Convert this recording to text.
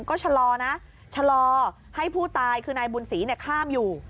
ก็ชะลอนะชะลอให้ผู้ตายคือนายบุญศรีข้ามอยู่